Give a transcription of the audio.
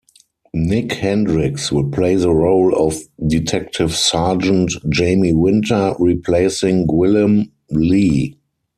Nick Hendrix will play the role of Detective Sergeant Jamie Winter, replacing Gwilym Lee.